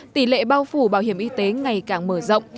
tỷ lệ bao phủ bảo hiểm y tế ngày càng mở rộng